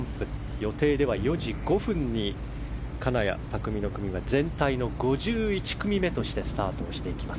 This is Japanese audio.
予定では、４時５分に金谷拓実の組が全体の５１組目としてスタートしていきます。